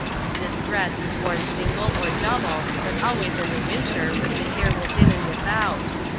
This dress is worn single or double, but always in the winter, with the hJir within and without.